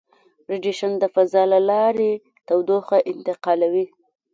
ریډیشن د فضا له لارې تودوخه انتقالوي.